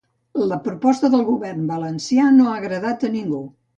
La proposta del govern valencià no ha agradat a ningú.